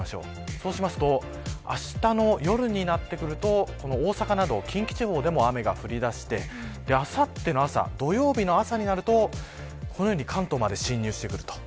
そうすると、あしたの夜になってくると大阪など近畿地方でも雨が降り出してあさっての朝土曜日の朝になるとこのように関東まで進入してくる。